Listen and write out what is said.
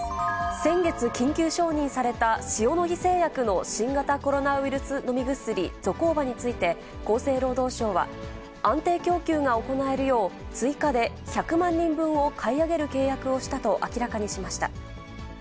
先月、緊急承認された塩野義製薬の新型コロナウイルス飲み薬、ゾコーバについて、厚生労働省は、安定供給が行えるよう、追加で１００万人分を買い上げる契約をしたと明らかにしました。